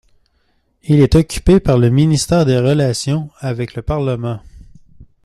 Il est occupé par le ministère des relations avec le Parlement.